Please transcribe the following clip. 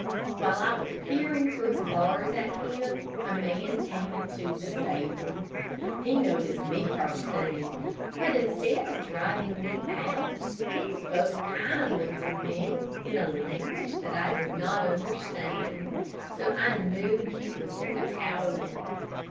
While I was peering through the bars at him, a man came in the stable. He noticed me the first thing, but instead of driving me out, he spoke kindly to me, in a language that I did not understand. So I knew that he was the Italian.